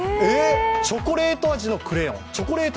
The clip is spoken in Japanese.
チョコレート味のクレヨン。